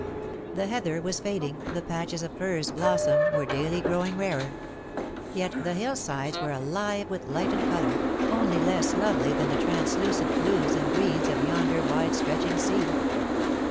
The heather was fading, the patches of furze blossom were daily growing rarer. Yet the hill sides were alive with light and colour, only less lovely than the translucent blues and greens of yonder wide stretching sea.